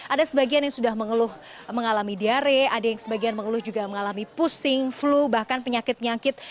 ada sebagian yang sudah mengeluh mengalami diare ada yang sebagian mengeluh juga mengalami pusing flu bahkan penyakit penyakit